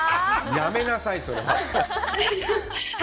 やめなさい、それは。